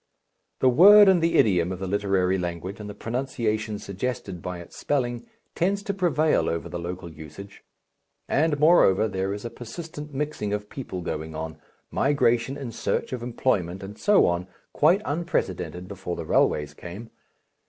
The word and the idiom of the literary language and the pronunciation suggested by its spelling tends to prevail over the local usage. And moreover there is a persistent mixing of peoples going on, migration in search of employment and so on, quite unprecedented before the railways came.